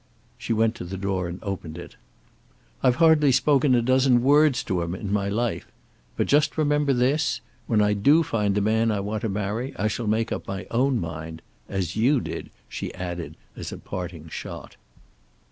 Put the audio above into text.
She went to the door and opened it. "I've hardly spoken a dozen words to him in my life. But just remember this. When I do find the man I want to marry, I shall make up my own mind. As you did," she added as a parting shot.